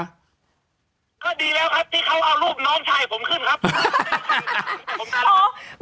ก็ดีแล้วครับที่เขาเอารูปน้องชายผมขึ้นครับ